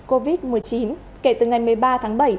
covid một mươi chín kể từ ngày một mươi ba tháng bảy